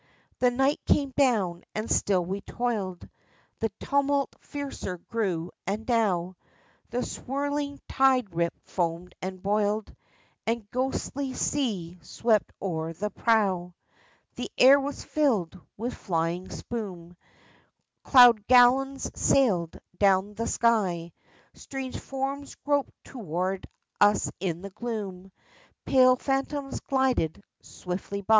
The night came down and still we toiled, The tumult fiercer grew, and now The swirling tide rip foamed and boiled, And ghostly seas swept o'er the prow. The air was filled with flying spume, Cloud galleons sailed down the sky. Strange forms groped toward us in the gloom. Pale phantoms glided swiftly by.